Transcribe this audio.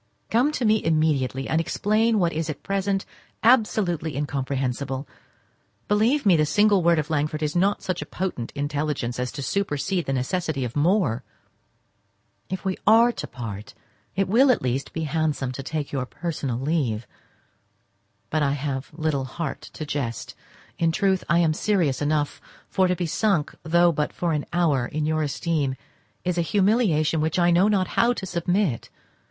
Come to me immediately, and explain what is at present absolutely incomprehensible. Believe me, the single word of Langford is not of such potent intelligence as to supersede the necessity of more. If we are to part, it will at least be handsome to take your personal leave—but I have little heart to jest; in truth, I am serious enough; for to be sunk, though but for an hour, in your esteem is a humiliation to which I know not how to submit.